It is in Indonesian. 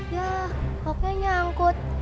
yah koknya nyangkut